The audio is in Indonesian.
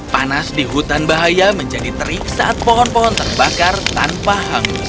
panas di hutan bahaya menjadi terik saat pohon pohon terbakar tanpa hangus